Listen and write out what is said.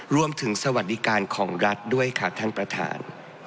สวัสดิการของรัฐด้วยค่ะท่านประธาน